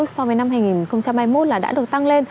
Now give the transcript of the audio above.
so với năm hai nghìn hai mươi một là đã được tăng lên